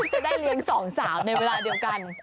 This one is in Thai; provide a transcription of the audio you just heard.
จะได้เลี้ยงสองสาวในเวลาเดียวกัน